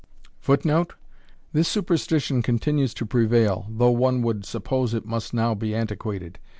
[Footnote: This superstition continues to prevail, though one would suppose it must now be antiquated.